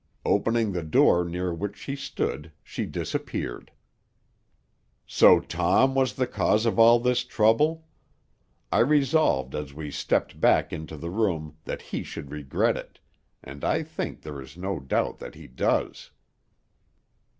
"Opening the door near which she stood, she disappeared. "So Tom was the cause of all the trouble? I resolved as we stepped back into the room that he should regret it, and I think there is no doubt that he does."